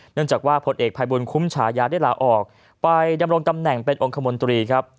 เนื่องจากว่าผลเอกภัยบุญคุ้มฉายาได้ลาออกไปดำรงตำแหน่งเป็นองค์คมนตรีครับ